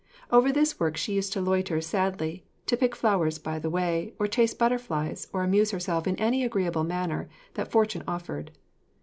Over this work she used to loiter sadly, to pick flowers by the way, or chase the butterflies, or amuse herself in any agreeable manner that fortune offered.